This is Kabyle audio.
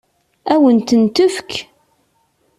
Ad wen-ten-tefk?